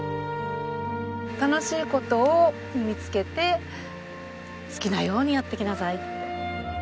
楽しい事を見つけて好きなようにやってきなさいって。